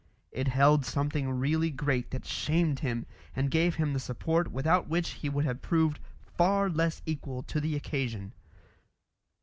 It held something really great that shamed him and gave him the support without which he would have proved far less equal to the occasion.